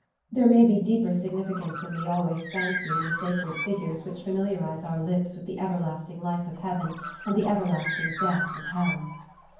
There may be deeper signifi cance than we always fancy in the sacred figures which familiarize our lips with the everlasting life of heaven and the everlasting death of hell.